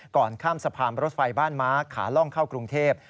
ก่อนข้ามสะพานรถไฟบ้านม้าขาล่องเข้ากรุงเทพ